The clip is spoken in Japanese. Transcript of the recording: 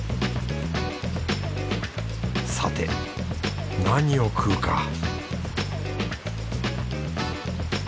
さて何を食うか